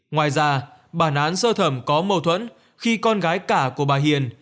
ngoài ra bản án sơ thẩm có mâu thuẫn khi con gái cả của bà hiền